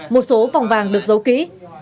một số vòng vàng được giấu ký